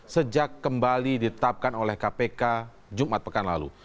sejak kembali ditetapkan oleh kpk jumat pekan lalu